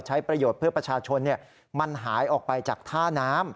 ใช้ประโยชน์เพื่อประชาชนมันหายออกไปจากท่าน้ำ